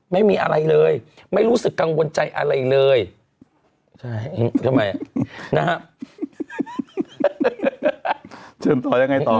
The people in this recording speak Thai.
ไม่มีอะไรเลยไม่รู้สึกกังวลใจอะไรเลย